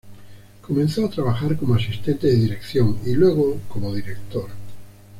Comenzó a trabajar como asistente de dirección y luego como director.